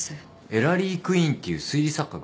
エラリー・クイーンっていう推理作家が。